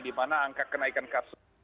dimana angka kenaikan kasus